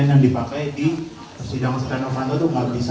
yang dipakai di sotiano panto itu gak bisa